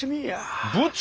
部長！